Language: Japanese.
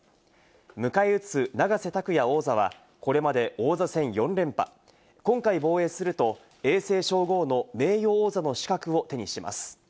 向かえ打つ永瀬拓矢王座はこれまで王座戦４連覇、今回防衛すると、永世称号の名誉王座の資格を手にします。